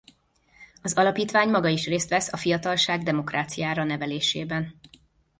Az alapítvány maga is részt vesz a fiatalság demokráciára nevelésében.